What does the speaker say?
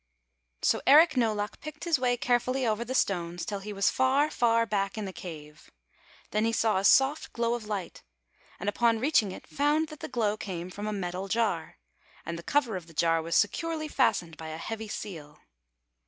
So Eric No Luck picked his way care fully over the stones, till he was far, far back in the cave. Then he saw a soft glow of light, and upon reaching it he found that the glow came from a metal jar; and the cover of the jar was securely fastened by a heavy seal.